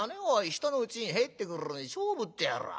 人のうちに入ってくるのに『勝負』ってやらぁ。